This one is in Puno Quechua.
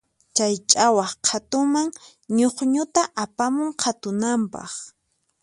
Chay ch'awaq qhatuman ñukñuta apamun qhatunanpaq.